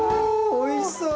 おいしそ！